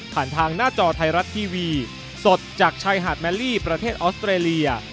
ทางหน้าจอไทยรัฐทีวีสดจากชายหาดแมลี่ประเทศออสเตรเลีย